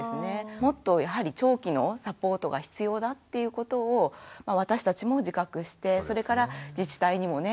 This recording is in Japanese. もっとやはり長期のサポートが必要だっていうことを私たちも自覚してそれから自治体にもね